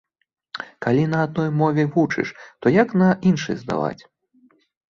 Калі на адной мове вучыш, то як на іншай здаваць?